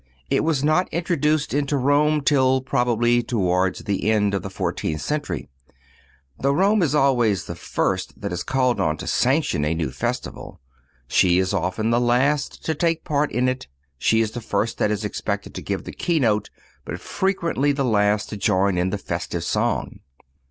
It was not introduced into Rome till probably towards the end of the fourteenth century. Though Rome is always the first that is called on to sanction a new festival, she is often the last to take part in it. She is the first that is expected to give the key note, but frequently the last to join in the festive song.